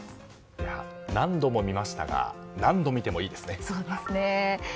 何度も見ましたが何度見てもいいですね。